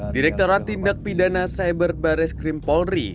direkturat tindak pidana cyber baris krim polri